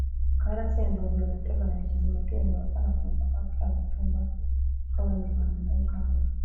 Bwaracyeye ndongera ndatega nerekeza i Matimba ugana ku mupaka wa Kagitumba ugabanya u Rwanda na Uganda